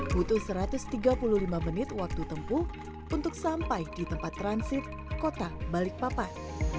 butuh satu ratus tiga puluh lima menit waktu tempuh untuk sampai di tempat transit kota balikpapan